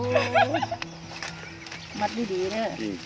จริงจอดนี่ไม่ว่ามันคือบอกกัดขดเนี่ย